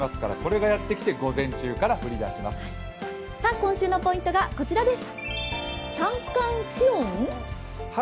今週のポイントがこちらです。